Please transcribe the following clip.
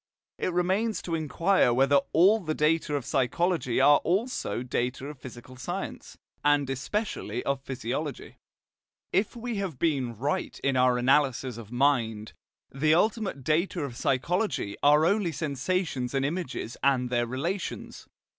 It remains to inquire whether all the data of psychology are also data of physical science, and especially of physiology. If we have been right in our analysis of mind, the ultimate data of psychology are only sensations and images and their relations.